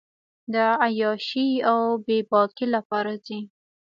د عیاشۍ اوبېباکۍ لپاره ځي.